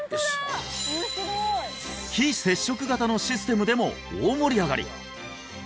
非接触型のシステムでも大盛り上がり！